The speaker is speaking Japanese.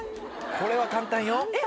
これは簡単よよっ